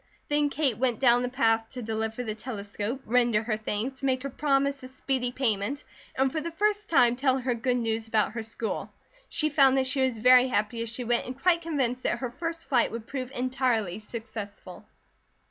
Then Kate went down the path to deliver the telescope, render her thanks, make her promise of speedy payment, and for the first time tell her good news about her school. She found that she was very happy as she went and quite convinced that her first flight would prove entirely successful.